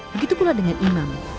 begitu pula dengan imam